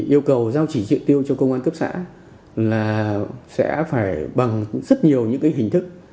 yêu cầu giao chỉ trị tiêu cho công an cấp xã là sẽ phải bằng rất nhiều những hình thức